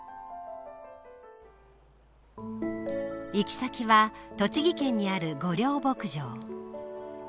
行き先は栃木県にある御料牧場。